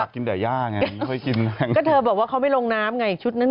ตอนนี้เขายิ่งเป๊ะอยู่